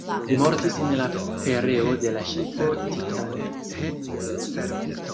Li mortis en la pereo de la ŝipo Titanic.